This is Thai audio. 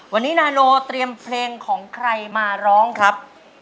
วันนี้นาโนเตรียมเพลงของใครมาร้องครับ